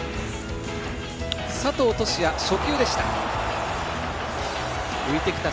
佐藤都志也、初球でした。